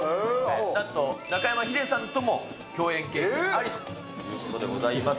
なんと中山ヒデさんとも共演経験ありということでございます。